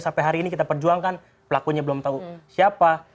sampai hari ini kita perjuangkan pelakunya belum tahu siapa